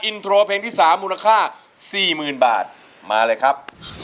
อินโทรเพลงที่สามมูลค่าสี่หมื่นบาทมาเลยครับ